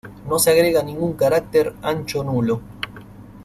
No se agrega ningún carácter ancho nulo.